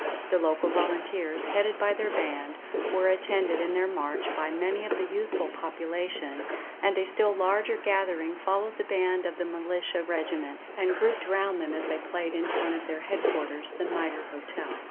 The local volunteers, headed by their band, were attended in their march by many of the youthful population, and a still larger gathering followed the band of the militia regiment, and grouped round them as they played in front of their headquarters, the Mitre Hotel.